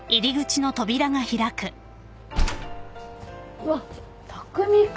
うわっ匠か。